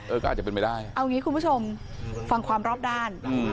ก็อาจจะเป็นไปได้เอางี้คุณผู้ชมฟังความรอบด้าน